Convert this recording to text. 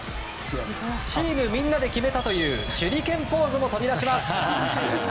チームみんなで決めたという手裏剣ポーズも飛び出します。